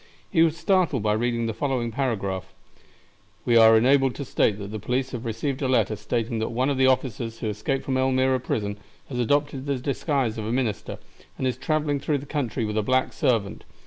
He was startled by reading the following paragraph: "We are enabled to state that the police have received a letter stating that one of the officers who escaped from Elmira prison has adopted the disguise of a minister, and is traveling through the country with a black servant.